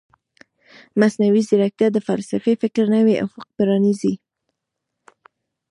مصنوعي ځیرکتیا د فلسفي فکر نوی افق پرانیزي.